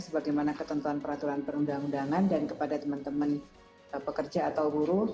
sebagaimana ketentuan peraturan perundang undangan dan kepada teman teman pekerja atau buruh